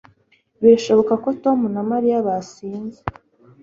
Birashoboka ko Tom na Mariya basinze